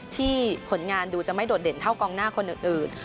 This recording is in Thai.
ผลงานดูจะไม่โดดเด่นเท่ากองหน้าคนอื่น